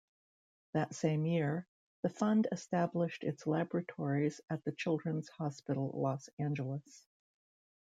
That same year, the fund established its laboratories at the Children's Hospital Los Angeles.